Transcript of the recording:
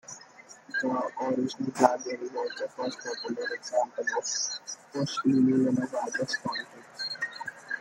The original BlackBerry was the first popular example of push-email in a wireless context.